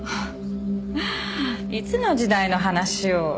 フッいつの時代の話を。